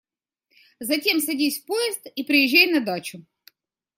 Затем садись в поезд и приезжай на дачу…